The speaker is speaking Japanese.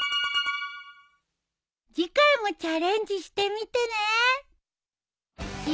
次回もチャレンジしてみてね。